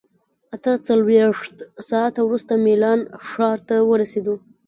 اته څلوېښت ساعته وروسته میلان ښار ته ورسېدو.